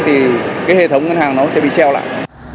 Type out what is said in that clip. thì cái hệ thống ngân hàng nó sẽ bị treo lại